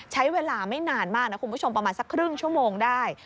ใช้เวลาไม่นานมากนะคุณผู้ชมประมาณสักครึ่งชั่วโมงได้